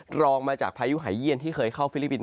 รองมาจากพายุหายเยี่ยนที่เคยเข้าฟิลิปปินส